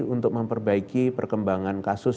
untuk memperbaiki perkembangan kasus